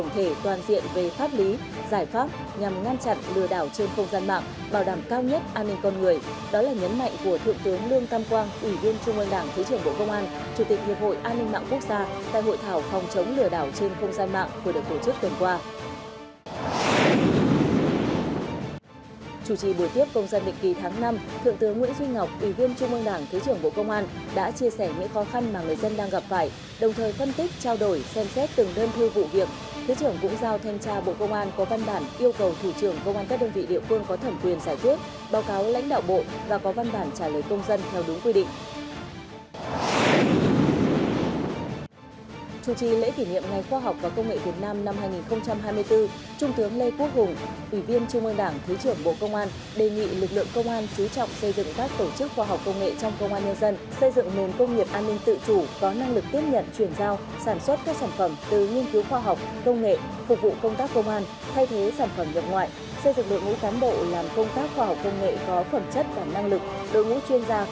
chủ trì lễ kỷ niệm ngày khoa học và công nghệ việt nam năm hai nghìn hai mươi bốn trung tướng lê quốc hùng ủy viên trung an đảng thứ trưởng bộ công an đề nghị lực lượng công an chú trọng xây dựng các tổ chức khoa học công nghệ trong công an nhân dân xây dựng nguồn công nghiệp an ninh tự chủ có năng lực tiếp nhận chuyển giao sản xuất các sản phẩm từ nghiên cứu khoa học công nghệ phục vụ công tác công an thay thế sản phẩm nhận ngoại xây dựng đội ngũ cán bộ làm công tác khoa học công nghệ có phẩm chất và năng lực đội ngũ chuyên gia